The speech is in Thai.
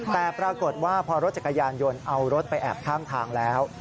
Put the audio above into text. แต่ปรากฏว่าพอรถจักรยานยนต์เอารถไปแอบข้างทางแล้ว